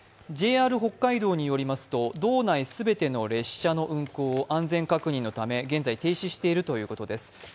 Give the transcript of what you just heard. ＪＲ北海道によりますと道内すべての列車の運行を安全確認のため現在停止しているということです。